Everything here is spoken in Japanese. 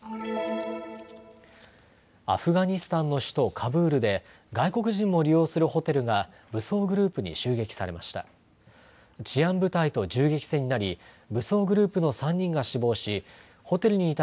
アフガニスタンの首都カブールで外国人も利用するホテルが武装グループに襲撃されました。